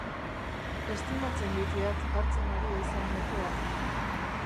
Estimatzen ditiat hartzen ari haizen nekeak.